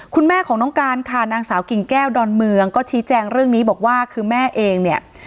คุณแม่ของน้องการค่ะนางสาวกิ่งแก้วดอนเมืองก็ชี้แจงเรื่องนี้บอกว่าคือแม่เองเนี่ย